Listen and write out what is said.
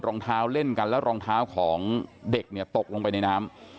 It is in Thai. รองเท้าเล่นกันแล้วรองเท้าของเด็กเนี่ยตกลงไปในน้ำ